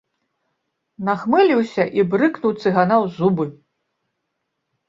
Нахмыліўся і брыкнуў цыгана ў зубы.